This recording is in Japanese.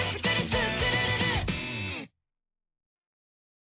スクるるる！」